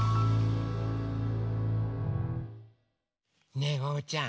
ねえおうちゃん。